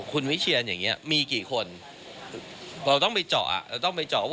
คุณวิเชียนอย่างนี้มีกี่คนเราต้องไปเจาะเราต้องไปเจาะว่า